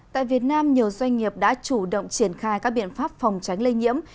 tại việt nam nhiều doanh nghiệp đã chủ động triển khai các biện pháp phòng tránh lây nhiễm